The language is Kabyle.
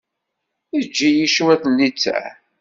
Eǧǧ-iyi cwiṭ n littseɛ.